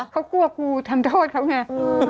เขากลัวกูทำโทษเขาไง